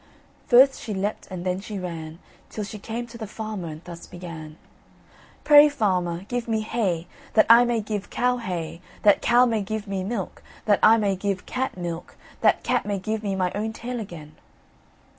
First she leapt, and then she ran, Till she came to the farmer and thus began: "Pray, Farmer, give me hay, that I may give cow hay, that cow may give me milk, that I may give cat milk, that cat may give me my own tail again."